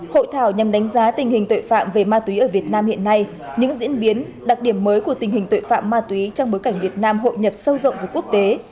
hội thảo nhằm đánh giá tình hình tội phạm về ma túy ở việt nam hiện nay những diễn biến đặc điểm mới của tình hình tội phạm ma túy trong bối cảnh việt nam hội nhập sâu rộng với quốc tế